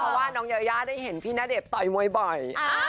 เพราะว่าน้องยายาได้เห็นพี่ณเดชน์ต่อยมวยบ่อย